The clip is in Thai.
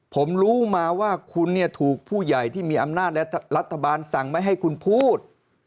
ผมรู้มาว่าคุณเนี่ยถูกผู้ใหญ่ที่มีอำนาจและรัฐบาลสั่งไม่ให้คุณพูด